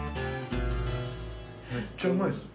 めっちゃうまいです。